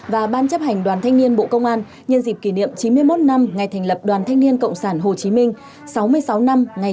và ban chấp hành đoàn thanh niên bộ công an nhân dịp kỷ niệm chín mươi một năm ngày thành lập đoàn thanh niên cộng sản hồ chí minh